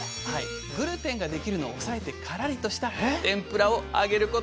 グルテンができるのを抑えてカラリとした天ぷらを揚げることができるんです。